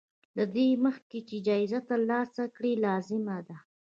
له دې مخکې چې جايزه ترلاسه کړې لازمه ده.